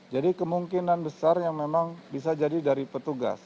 jadi kemungkinan besar yang memang bisa jadi dari petugas